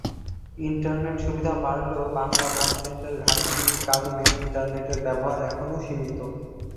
Internet সুবিধা বাড়লেও বাংলা কনটেন্টের ঘাটতির কারণে ইন্টারনেটের ব্যবহার এখনও সীমীত।